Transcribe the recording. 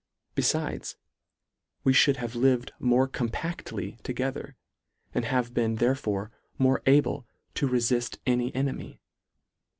Belides, we fhould have lived more compactly together, and have been therefore more able to refift any enemy.